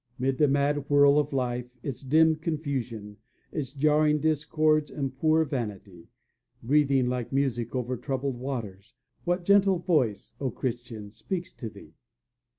'Mid the mad whirl of life, its dim confusion, Its jarring discords and poor vanity, Breathing like music over troubled waters, What gentle voice, O Christian, speaks to thee?